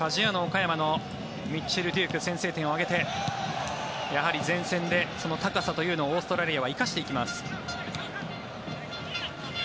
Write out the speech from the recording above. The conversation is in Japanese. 岡山のミッチェル・デューク先制点を挙げてやはり前線で高さというのをオーストラリアは生かしていきます。